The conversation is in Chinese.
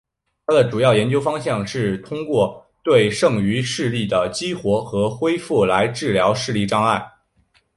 他的主要研究方向是通过对剩余视力的激活和恢复来治疗视力障碍。